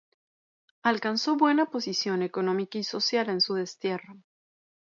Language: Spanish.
Alcanzó buena posición económica y social en su destierro.